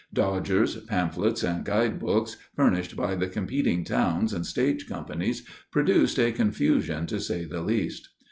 Dodgers, pamphlets, and guidebooks furnished by the competing towns and stage companies produced a confusion to say the least.